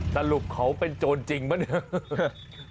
สรุปเขาเป็นโจรจริงปะเนี่ย